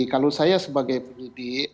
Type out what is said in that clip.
kalau saya sebagai pendidik